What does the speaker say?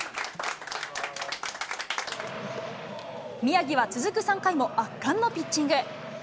宮城は続く３回も、圧巻のピッチング。